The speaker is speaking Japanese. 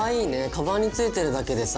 カバンについてるだけでさ